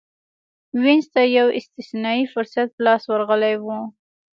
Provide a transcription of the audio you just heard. وینز ته یو استثنايي فرصت په لاس ورغلی و.